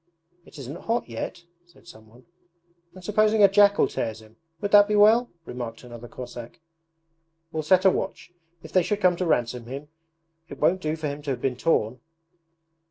'It isn't hot yet,' said someone. 'And supposing a jackal tears him? Would that be well?' remarked another Cossack. 'We'll set a watch; if they should come to ransom him it won't do for him to have been torn.'